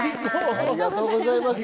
ありがとうございます。